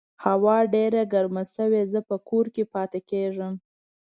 هوا ډېره ګرمه شوې، زه په کور کې پاتې کیږم